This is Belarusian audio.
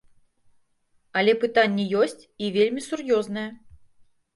Але пытанне ёсць, і вельмі сур'ёзнае.